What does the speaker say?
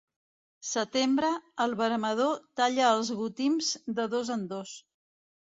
Setembre, el veremador talla els gotims de dos en dos.